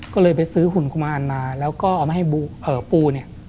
ก็เลยไปซื้อหุ่นคุมมาแล้วก็เอามาให้ปู